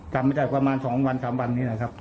จำไม่ได้ประมาณ๒วัน๓วันนี้นะครับ